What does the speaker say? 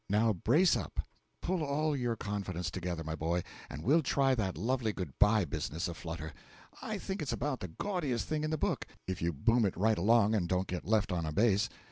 Now brace up; pull all your confidence together, my boy, and we'll try that lovely goodbye business a flutter. I think it's about the gaudiest thing in the book, if you boom it right along and don't get left on a base.